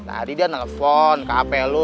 tadi dia telepon ke hp lu